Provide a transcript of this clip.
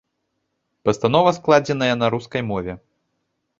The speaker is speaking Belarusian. Пастанова складзеная на рускай мове.